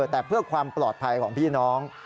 แต่เพื่อความปลอดภัยของพี่น้อง